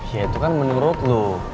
ya itu kan menurut lo